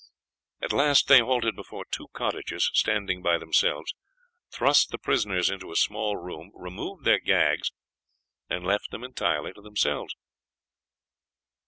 At last they halted before two cottages standing by themselves, thrust the prisoners into a small room, removed their gags, and left them entirely to themselves.